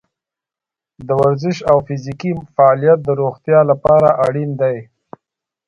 د ورزش او فزیکي فعالیت د روغتیا لپاره اړین دی.